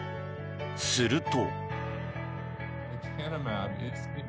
すると。